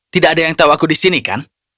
tidak ada yang tahu aku di sini kan